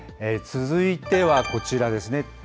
続いてはこちらですね。